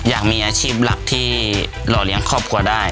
อยากมีอาชีพหลักที่หล่อเลี้ยงครอบครัวได้